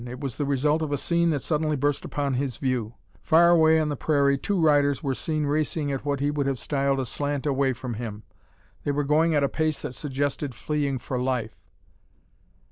It was the result of a scene that suddenly burst upon his view. Far away on the prairie two riders were seen racing at what he would have styled a slant away from him. They were going at a pace that suggested fleeing for life.